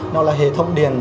nó là hệ thống điện